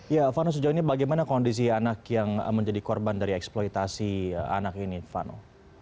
ya vano sejauh ini bagaimana kondisi anak yang menjadi korban dari eksploitasi anak ini vano